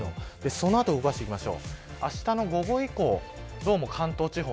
その後、動かしていきます。